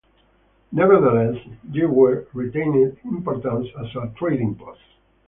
Nevertheless, Jever retained importance as a trading post.